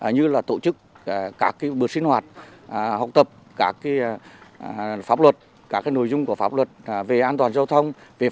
như tổ chức các bước sinh hoạt học tập các pháp luật các nội dung của pháp luật về an toàn giao thông